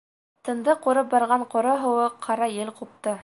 Тынды ҡурып барған ҡоро һыуыҡ, ҡара ел ҡупты.